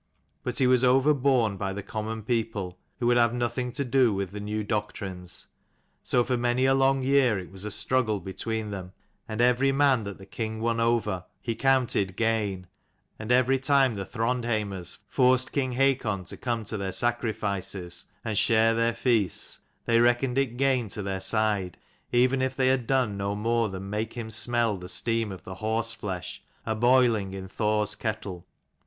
But he was overborne by the common people, who would have nothing to do with the new doctrines. So for many a long year it was a struggle between them ; and every man that the king won over he counted 194 gain ; and every time the Throndheimers forced king Hakon to come to their sacrifices and share their feasts they reckoned it gain to their side, even if they had done no more than make him smell the steam of the horse flesh aboiling in Thor's kettle.